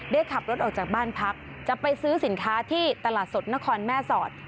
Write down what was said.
ขับรถออกจากบ้านพักจะไปซื้อสินค้าที่ตลาดสดนครแม่สอด